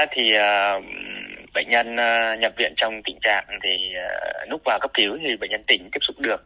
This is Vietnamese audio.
trong tình trạng núp vào cấp cứu thì bệnh nhân tỉnh tiếp xúc được